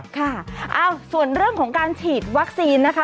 ค่ะส่วนเรื่องของการฉีดวัคซีนนะคะ